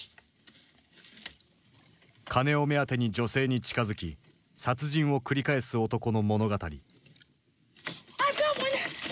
金を目当てに女性に近づき殺人を繰り返す男の物語。